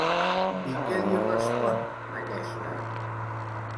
I què li respon, aquesta?